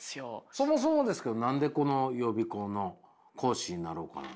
そもそもですけど何で予備校の講師になろうかなと？